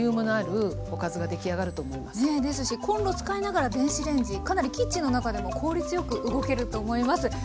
ですしコンロ使いながら電子レンジかなりキッチンの中でも効率よく動けると思います。